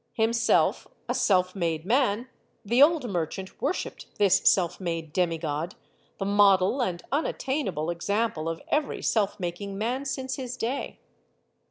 Himself a self made man, the old merchant worshiped this self made demigod, the model and unattainable example of every self making man since his day.